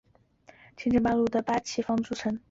西安满城是清代西安城内的八旗驻防城。